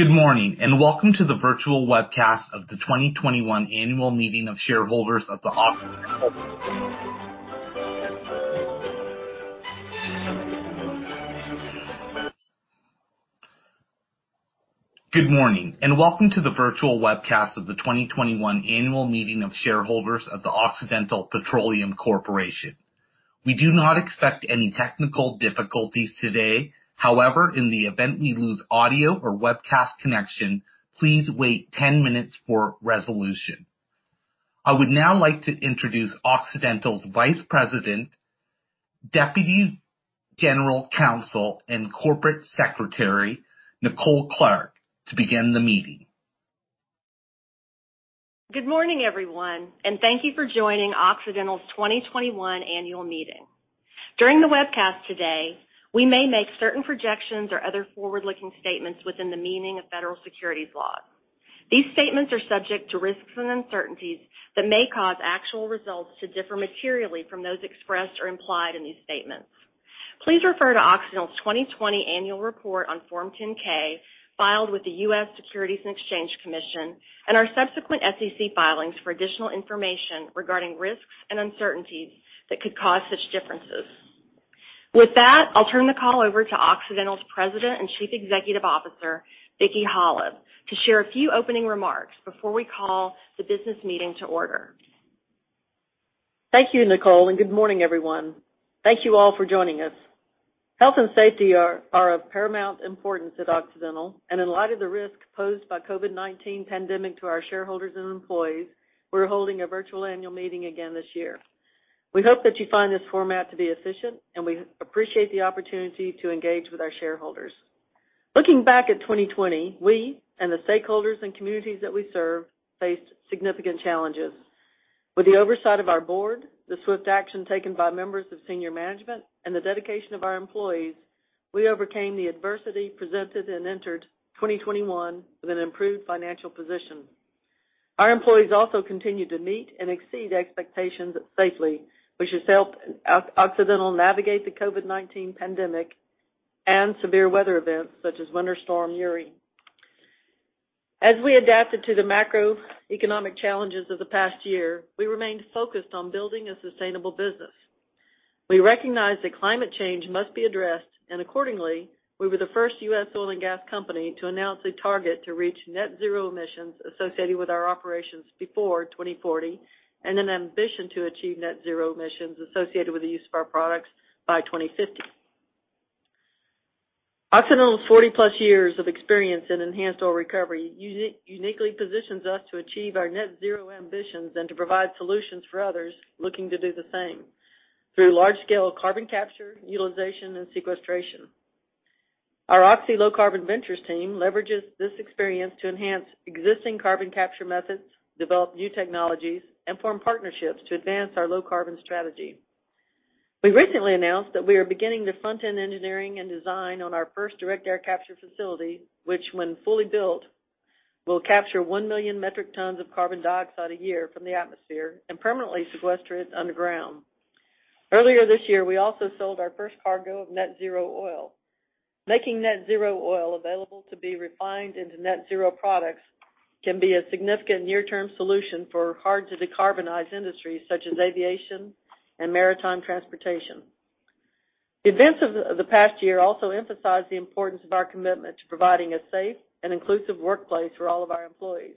Good morning, and welcome to the virtual webcast of the 2021 Annual Meeting of Shareholders of the Occidental Petroleum Corporation. We do not expect any technical difficulties today. In the event we lose audio or webcast connection, please wait 10 minutes for resolution. I would now like to introduce Occidental's Vice President, Deputy General Counsel, and Corporate Secretary, Nicole Clark, to begin the meeting. Good morning, everyone, and thank you for joining Occidental's 2021 Annual Meeting. During the webcast today, we may make certain projections or other forward-looking statements within the meaning of federal securities laws. These statements are subject to risks and uncertainties that may cause actual results to differ materially from those expressed or implied in these statements. Please refer to Occidental's 2020 annual report on Form 10-K, filed with the U.S. Securities and Exchange Commission and our subsequent SEC filings for additional information regarding risks and uncertainties that could cause such differences. With that, I'll turn the call over to Occidental's President and Chief Executive Officer, Vicki Hollub, to share a few opening remarks before we call the business meeting to order. Thank you, Nicole. Good morning, everyone. Thank you all for joining us. Health and safety are of paramount importance at Occidental, and in light of the risk posed by COVID-19 pandemic to our shareholders and employees, we're holding a virtual annual meeting again this year. We hope that you find this format to be efficient, and we appreciate the opportunity to engage with our shareholders. Looking back at 2020, we and the stakeholders and communities that we serve faced significant challenges. With the oversight of our board, the swift action taken by members of senior management, and the dedication of our employees, we overcame the adversity presented and entered 2021 with an improved financial position. Our employees also continued to meet and exceed expectations safely, which has helped Occidental navigate the COVID-19 pandemic and severe weather events such as Winter Storm Uri. As we adapted to the macroeconomic challenges of the past year, we remained focused on building a sustainable business. We recognize that climate change must be addressed, and accordingly, we were the first U.S. oil and gas company to announce a target to reach net-zero emissions associated with our operations before 2040, and an ambition to achieve net-zero emissions associated with the use of our products by 2050. Occidental's 40+ years of experience in enhanced oil recovery uniquely positions us to achieve our net-zero ambitions and to provide solutions for others looking to do the same through large-scale carbon capture, utilization, and sequestration. Our Oxy Low Carbon Ventures team leverages this experience to enhance existing carbon capture methods, develop new technologies, and form partnerships to advance our low carbon strategy. We recently announced that we are beginning the front-end engineering and design on our first direct air capture facility, which, when fully built, will capture 1 million metric tons of carbon dioxide a year from the atmosphere and permanently sequester it underground. Earlier this year, we also sold our first cargo of net-zero oil. Making net-zero oil available to be refined into net-zero products can be a significant near-term solution for hard to decarbonize industries such as aviation and maritime transportation. The events of the past year also emphasized the importance of our commitment to providing a safe and inclusive workplace for all of our employees.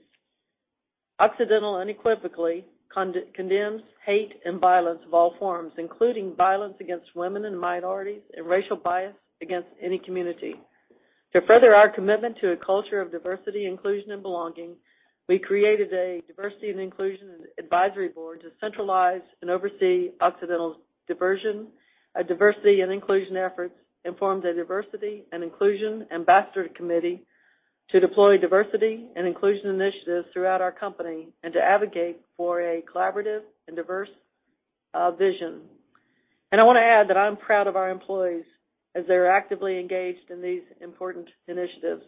Occidental unequivocally condemns hate and violence of all forms, including violence against women and minorities and racial bias against any community. To further our commitment to a culture of Diversity, Inclusion and Belonging, we created a Diversity and Inclusion advisory board to centralize and oversee Occidental's direction of Diversity and Inclusion efforts and formed a Diversity and Inclusion Ambassador Committee to deploy diversity and inclusion initiatives throughout our company and to advocate for a collaborative and diverse vision. I want to add that I'm proud of our employees as they're actively engaged in these important initiatives.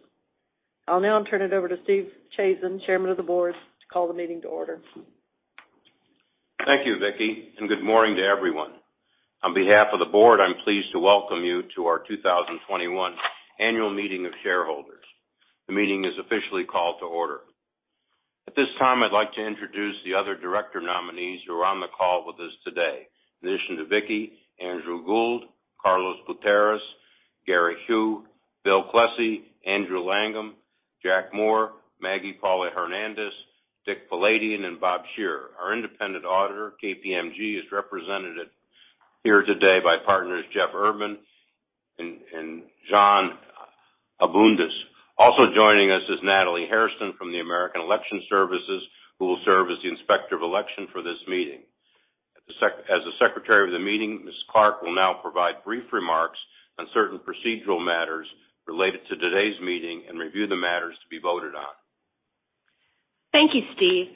I'll now turn it over to Steve Chazen, Chairman of the Board, to call the meeting to order. Thank you, Vicki, and good morning to everyone. On behalf of the board, I'm pleased to welcome you to our 2021 Annual Meeting of Shareholders. The meeting is officially called to order. At this time, I'd like to introduce the other director nominees who are on the call with us today. In addition to Vicki, Andrew Gould, Carlos Gutierrez, Gary Hu, Bill Klesse, Andrew Langham, Jack Moore, Margarita Paláu-Hernández, Avedick B. Poladian, and Robert M. Shearer. Our independent auditor, KPMG, is represented here today by partners Jeff Urban and Jeanne Abundis. Also joining us is Natalie Hairston from the American Election Services, LLC, who will serve as the Inspector of Election for this meeting. As the Secretary of the Meeting, Ms. Clark will now provide brief remarks on certain procedural matters related to today's meeting and review the matters to be voted on. Thank you, Steve.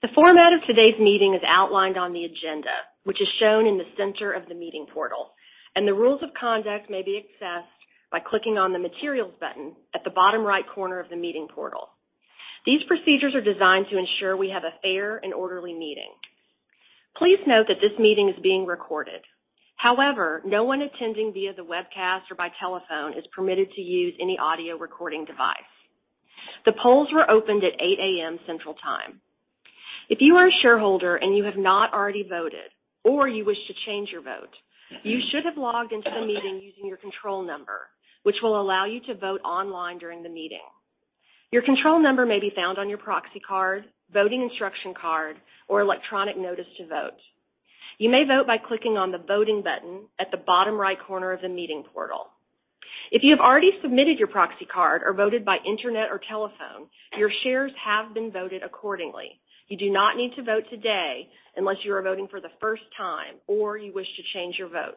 The format of today's meeting is outlined on the agenda, which is shown in the center of the meeting portal, and the rules of conduct may be accessed by clicking on the materials button at the bottom right corner of the meeting portal. These procedures are designed to ensure we have a fair and orderly meeting. Please note that this meeting is being recorded. However, no one attending via the webcast or by telephone is permitted to use any audio recording device. The polls were opened at 8:00 A.M. Central Time. If you are a shareholder and you have not already voted or you wish to change your vote, you should have logged into the meeting using your control number, which will allow you to vote online during the meeting. Your control number may be found on your proxy card, voting instruction card, or electronic notice to vote. You may vote by clicking on the Voting button at the bottom right corner of the meeting portal. If you have already submitted your proxy card or voted by internet or telephone, your shares have been voted accordingly. You do not need to vote today unless you are voting for the first time or you wish to change your vote.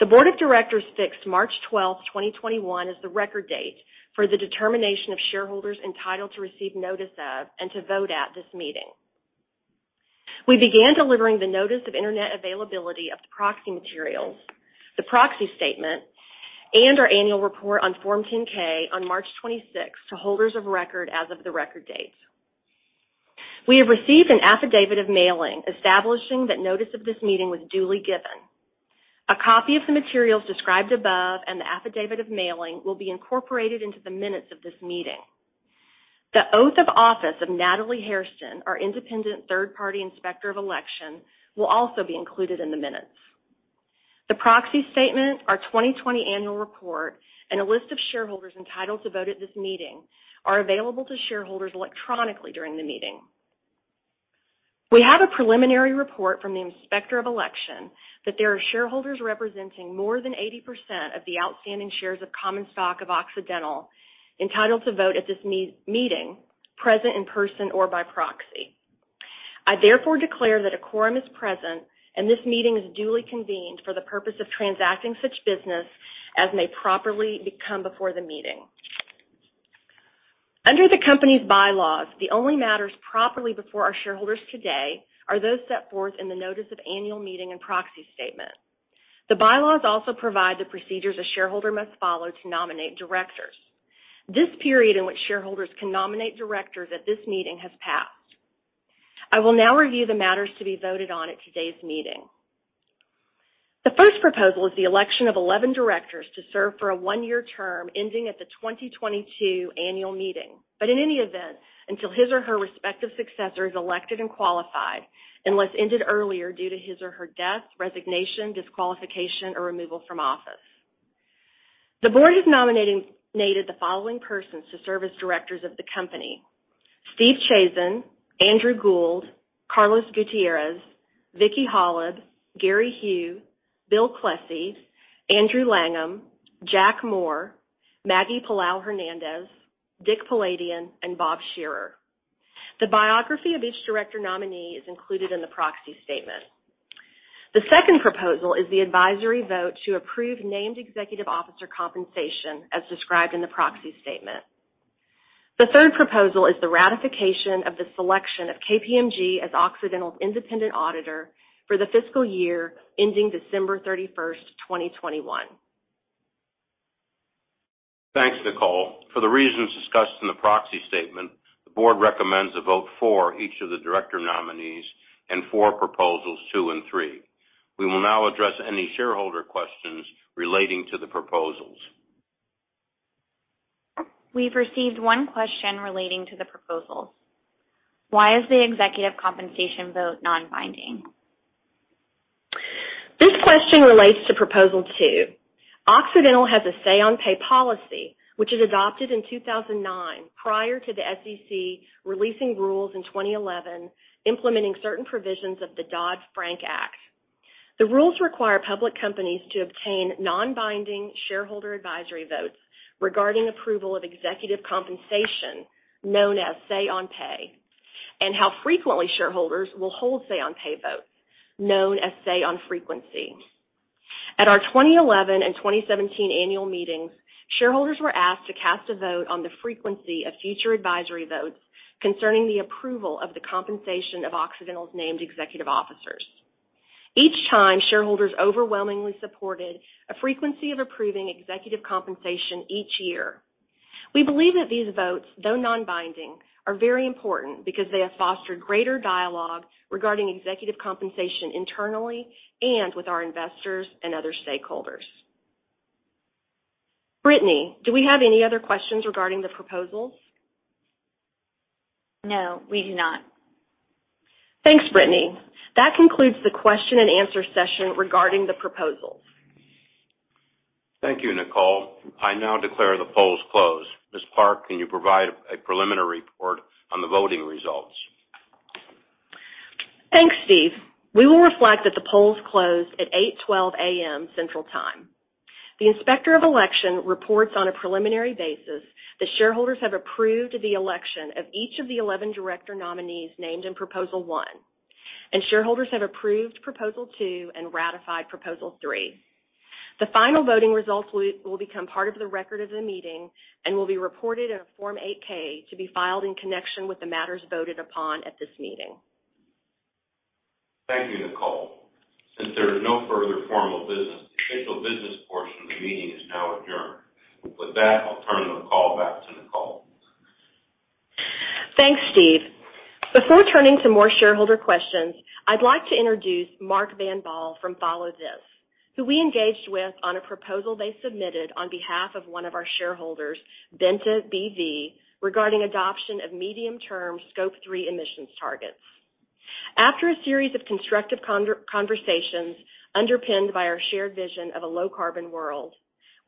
The board of directors fixed March 12th, 2021, as the record date for the determination of shareholders entitled to receive notice of and to vote at this meeting. We began delivering the notice of internet availability of the proxy materials, the Proxy Statement, and our annual report on Form 10-K on March 26th to holders of record as of the record date. We have received an affidavit of mailing establishing that notice of this meeting was duly given. A copy of the materials described above and the affidavit of mailing will be incorporated into the minutes of this meeting. The oath of office of Natalie Hairston, our independent third-party Inspector of Election, will also be included in the minutes. The Proxy Statement, our 2020 annual report, and a list of shareholders entitled to vote at this meeting are available to shareholders electronically during the meeting. We have a preliminary report from the inspector of election that there are shareholders representing more than 80% of the outstanding shares of common stock of Occidental entitled to vote at this meeting present in person or by proxy. I therefore declare that a quorum is present and this meeting is duly convened for the purpose of transacting such business as may properly come before the meeting. Under the company's bylaws, the only matters properly before our shareholders today are those set forth in the Notice of Annual Meeting and Proxy Statement. The bylaws also provide the procedures a shareholder must follow to nominate directors. This period in which shareholders can nominate directors at this meeting has passed. I will now review the matters to be voted on at today's meeting. The first proposal is the election of 11 directors to serve for a one-year term ending at the 2022 annual meeting. In any event, until his or her respective successor is elected and qualified, unless ended earlier due to his or her death, resignation, disqualification, or removal from office. The board has nominated the following persons to serve as directors of the company: Stephen Chazen, Andrew Gould, Carlos Gutierrez, Vicki Hollub, Gary Hu, Bill Klesse, Andrew N. Langham, Jack B. Moore, Margarita Paláu-Hernández, Avedick B. Poladian, and Robert M. Shearer. The biography of each director nominee is included in the Proxy Statement. The second proposal is the advisory vote to approve named executive officer compensation as described in the Proxy Statement. The third proposal is the ratification of the selection of KPMG as Occidental's independent auditor for the fiscal year ending December 31st, 2021. Thanks, Nicole. For the reasons discussed in the Proxy Statement, the board recommends a vote for each of the director nominees and for Proposals 2 and 3. We will now address any shareholder questions relating to the proposals. We've received one question relating to the proposals. Why is the executive compensation vote non-binding? This question relates to Proposal 2. Occidental has a say on pay policy, which it adopted in 2009, prior to the SEC releasing rules in 2011 implementing certain provisions of the Dodd-Frank Act. The rules require public companies to obtain non-binding shareholder advisory votes regarding approval of executive compensation, known as say on pay, and how frequently shareholders will hold say on pay votes, known as say on frequency. At our 2011 and 2017 annual meetings, shareholders were asked to cast a vote on the frequency of future advisory votes concerning the approval of the compensation of Occidental's named executive officers. Each time, shareholders overwhelmingly supported a frequency of approving executive compensation each year. We believe that these votes, though non-binding, are very important because they have fostered greater dialogue regarding executive compensation internally and with our investors and other stakeholders. Brittany, do we have any other questions regarding the proposals? No, we do not. Thanks, Brittany. That concludes the question and answer session regarding the proposals. Thank you, Nicole. I now declare the polls closed. Ms. Clark, can you provide a preliminary report on the voting results? Thanks, Steve. We will reflect that the polls closed at 8:12 A.M. Central Time. The Inspector of Election reports on a preliminary basis that shareholders have approved the election of each of the 11 director nominees named in Proposal 1, and shareholders have approved Proposal 2 and ratified Proposal 3. The final voting results will become part of the record of the meeting and will be reported in a Form 8-K to be filed in connection with the matters voted upon at this meeting. Thank you, Nicole. Since there is no further formal business, the official business portion of the meeting is now adjourned. With that, I'll turn the call back to Nicole. Thanks, Steve. Before turning to more shareholder questions, I'd like to introduce Mark van Baal from Follow This, who we engaged with on a proposal they submitted on behalf of one of our shareholders, Benta B.V., regarding adoption of medium-term Scope 3 emissions targets. After a series of constructive conversations underpinned by our shared vision of a low carbon world,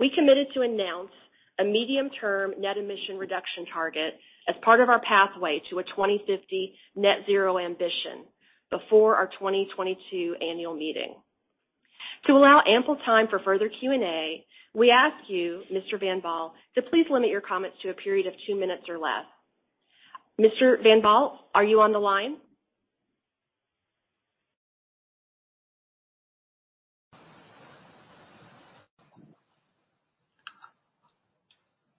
we committed to announce a medium-term net emission reduction target as part of our pathway to a 2050 net-zero ambition before our 2022 annual meeting. To allow ample time for further Q&A, we ask you, Mr. van Baal, to please limit your comments to a period of two minutes or less. Mr. van Baal, are you on the line?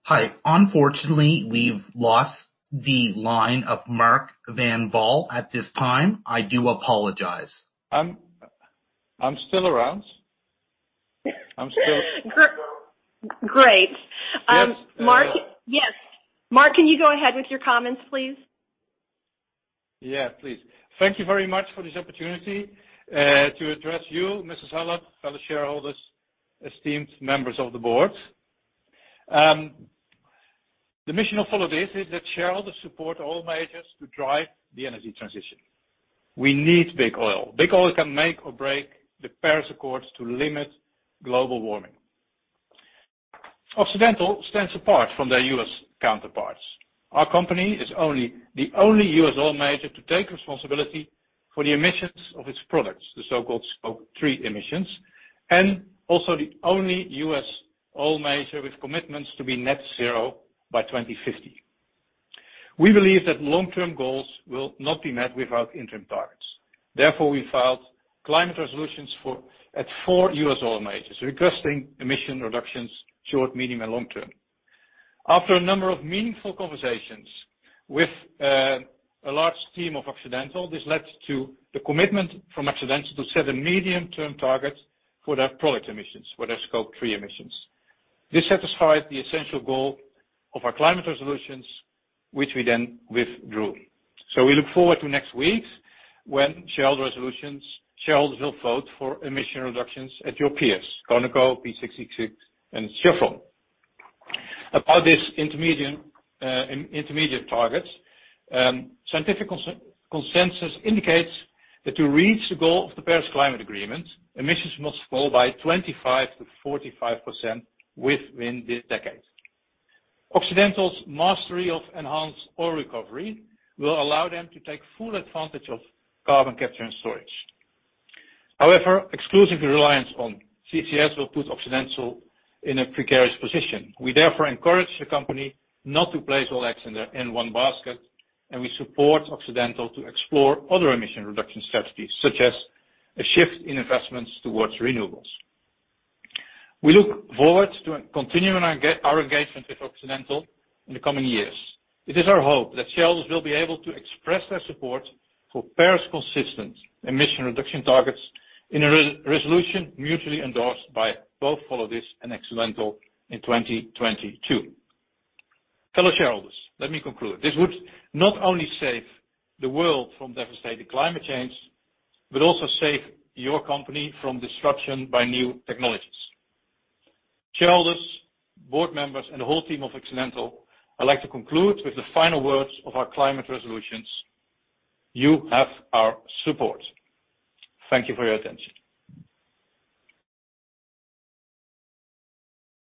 Hi. Unfortunately, we've lost the line of Mark van Baal at this time. I do apologize. I'm still around. Great. Yes. Mark. Yes. Mark, can you go ahead with your comments, please? Please. Thank you very much for this opportunity to address you, Mrs. Clark, fellow Shareholders, esteemed Members of the Board. The mission of Follow This is that shareholders support oil majors to drive the energy transition. We need big oil. Big oil can make or break the Paris Accords to limit global warming. Occidental stands apart from their U.S. counterparts. Our company is the only U.S. oil major to take responsibility for the emissions of its products, the so-called Scope 3 emissions, and also the only U.S. oil major with commitments to be net zero by 2050. We believe that long-term goals will not be met without interim targets. We filed climate resolutions at four U.S. oil majors, requesting emission reductions short, medium, and long term. After a number of meaningful conversations with a large team of Occidental, this led to the commitment from Occidental to set a medium-term target for their product emissions, for their Scope 3 emissions. This satisfies the essential goal of our climate resolutions, which we then withdrew. We look forward to next week when shareholders will vote for emission reductions at your peers, Conoco, P66, and Chevron. About these intermediate targets, scientific consensus indicates that to reach the goal of the Paris Climate Agreement, emissions must fall by 25%-45% within this decade. Occidental's mastery of enhanced oil recovery will allow them to take full advantage of carbon capture and storage. However, exclusive reliance on CCS will put Occidental in a precarious position. We therefore encourage the company not to place all eggs in one basket, and we support Occidental to explore other emission reduction strategies, such as a shift in investments towards renewables. We look forward to continuing our engagement with Occidental in the coming years. It is our hope that shareholders will be able to express their support for Paris-consistent emission reduction targets in a resolution mutually endorsed by both Follow This and Occidental in 2022. Fellow shareholders, let me conclude. This would not only save the world from devastating climate change, but also save your company from disruption by new technologies. Shareholders, board members, and the whole team of Occidental, I'd like to conclude with the final words of our climate resolutions. You have our support. Thank you for your attention.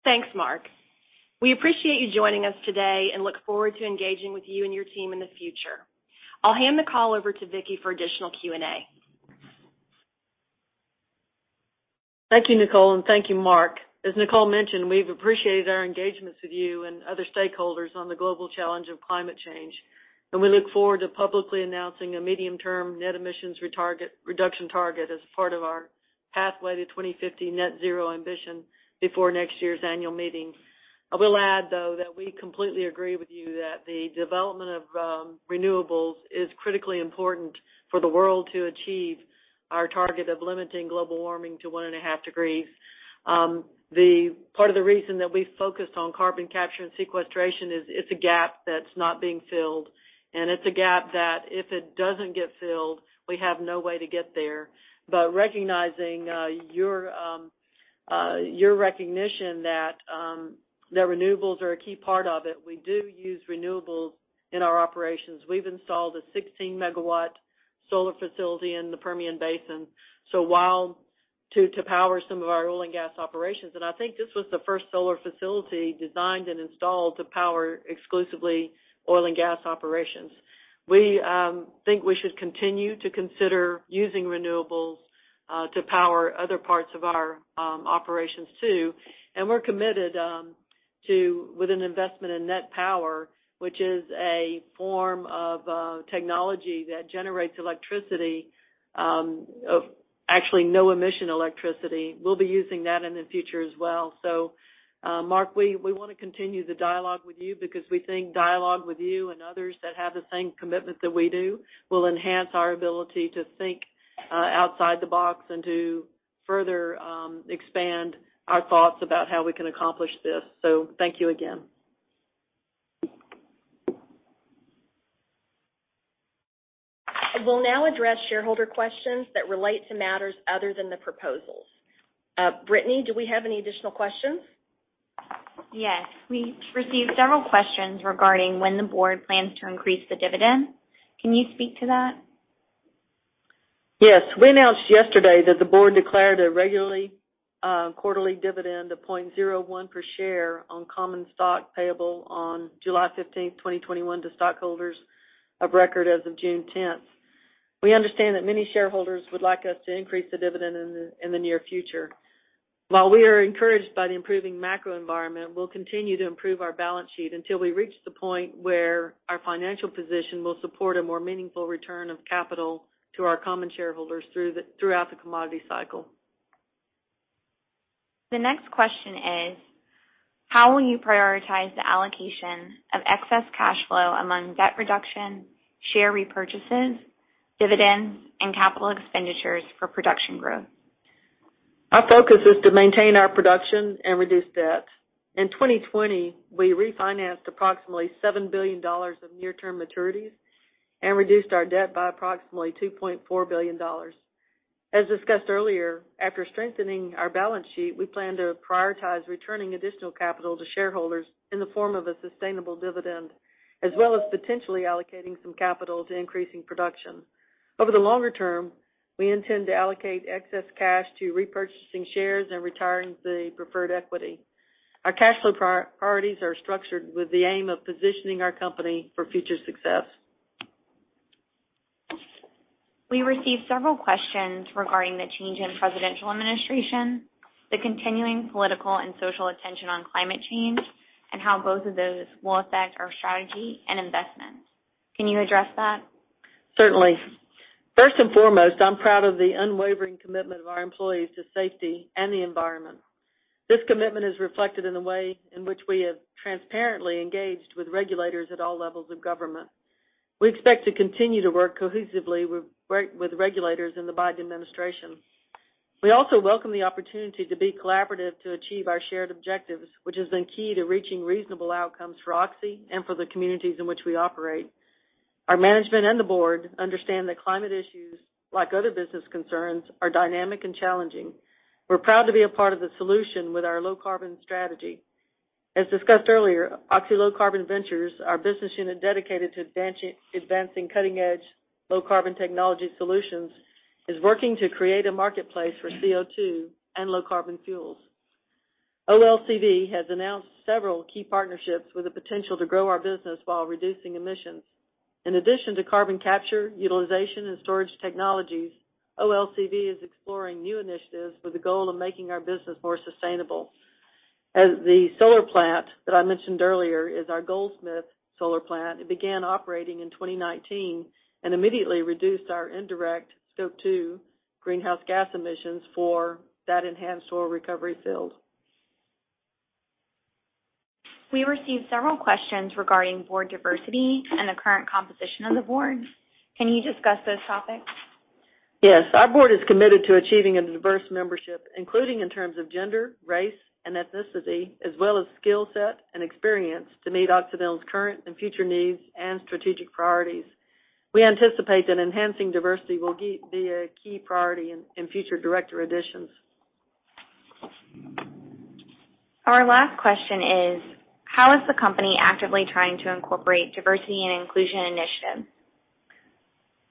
Thanks, Mark. We appreciate you joining us today and look forward to engaging with you and your team in the future. I'll hand the call over to Vicki for additional Q&A. Thank you, Nicole, and thank you, Mark. As Nicole mentioned, we've appreciated our engagements with you and other stakeholders on the global challenge of climate change, and we look forward to publicly announcing a medium-term net emissions reduction target as part of our pathway to 2050 net-zero ambition before next year's annual meeting. I will add, though, that we completely agree with you that the development of renewables is critically important for the world to achieve our target of limiting global warming to one and a half degrees. Part of the reason that we focused on carbon capture and sequestration is it's a gap that's not being filled, and it's a gap that if it doesn't get filled, we have no way to get there. Recognizing your recognition that renewables are a key part of it, we do use renewables in our operations. We've installed a 16 MW solar facility in the Permian Basin, to power some of our oil and gas operations. I think this was the first solar facility designed and installed to power exclusively oil and gas operations. We think we should continue to consider using renewables to power other parts of our operations, too. We're committed with an investment in NET Power, which is a form of technology that generates electricity, actually no emission electricity. We'll be using that in the future as well. Mark, we want to continue the dialogue with you because we think dialogue with you and others that have the same commitment that we do will enhance our ability to think outside the box and to further expand our thoughts about how we can accomplish this. Thank you again. We'll now address shareholder questions that relate to matters other than the proposals. Brittany, do we have any additional questions? Yes. We received several questions regarding when the board plans to increase the dividend. Can you speak to that? Yes. We announced yesterday that the board declared a regularly quarterly dividend of $0.01 per share on common stock payable on July 15th, 2021 to stockholders of record as of June 10th. We understand that many shareholders would like us to increase the dividend in the near future. While we are encouraged by the improving macro environment, we'll continue to improve our balance sheet until we reach the point where our financial position will support a more meaningful return of capital to our common shareholders throughout the commodity cycle. The next question is, how will you prioritize the allocation of excess cash flow among debt reduction, share repurchases, dividends, and capital expenditures for production growth? Our focus is to maintain our production and reduce debt. In 2020, we refinanced approximately $7 billion of near-term maturities and reduced our debt by approximately $2.4 billion. As discussed earlier, after strengthening our balance sheet, we plan to prioritize returning additional capital to shareholders in the form of a sustainable dividend, as well as potentially allocating some capital to increasing production. Over the longer term, we intend to allocate excess cash to repurchasing shares and retiring the preferred equity. Our cash flow priorities are structured with the aim of positioning our company for future success. We received several questions regarding the change in presidential administration, the continuing political and social attention on climate change, and how both of those will affect our strategy and investments. Can you address that? Certainly. First and foremost, I'm proud of the unwavering commitment of our employees to safety and the environment. This commitment is reflected in the way in which we have transparently engaged with regulators at all levels of government. We expect to continue to work cohesively with regulators in the Biden administration. We also welcome the opportunity to be collaborative to achieve our shared objectives, which has been key to reaching reasonable outcomes for Oxy and for the communities in which we operate. Our management and the board understand that climate issues, like other business concerns, are dynamic and challenging. We're proud to be a part of the solution with our low-carbon strategy. As discussed earlier, Oxy Low Carbon Ventures, our business unit dedicated to advancing cutting-edge low-carbon technology solutions, is working to create a marketplace for CO2 and low-carbon fuels. OLCV has announced several key partnerships with the potential to grow our business while reducing emissions. In addition to carbon capture, utilization, and sequestration technologies, OLCV is exploring new initiatives with the goal of making our business more sustainable. As the solar plant that I mentioned earlier is our Goldsmith Solar Plant, it began operating in 2019 and immediately reduced our indirect Scope 2 greenhouse gas emissions for that enhanced oil recovery field. We received several questions regarding board diversity and the current composition of the board. Can you discuss those topics? Yes. Our board is committed to achieving a diverse membership, including in terms of gender, race, and ethnicity, as well as skill set and experience, to meet Occidental's current and future needs and strategic priorities. We anticipate that enhancing diversity will be a key priority in future director additions. Our last question is, how is the company actively trying to incorporate Diversity and Inclusion initiatives?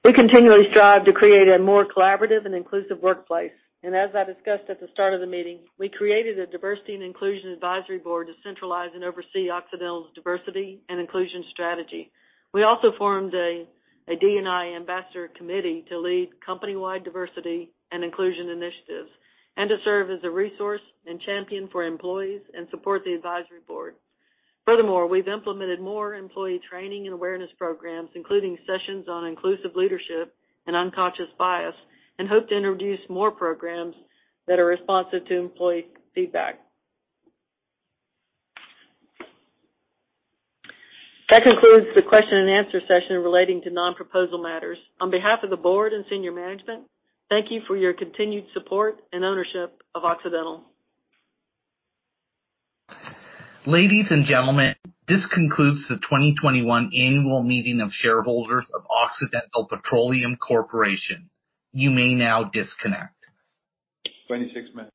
We continually strive to create a more collaborative and inclusive workplace. As I discussed at the start of the meeting, we created a Diversity and Inclusion Advisory Board to centralize and oversee Occidental's Diversity and Inclusion strategy. We also formed a D&I Ambassador Committee to lead company-wide diversity and inclusion initiatives and to serve as a resource and champion for employees and support the Advisory Board. Furthermore, we've implemented more employee training and awareness programs, including sessions on inclusive leadership and unconscious bias, and hope to introduce more programs that are responsive to employee feedback. That concludes the question and answer session relating to non-proposal matters. On behalf of the Board and Senior Management, thank you for your continued support and ownership of Occidental. Ladies and gentlemen, this concludes the 2021 annual meeting of shareholders of Occidental Petroleum Corporation. You may now disconnect. 26 minutes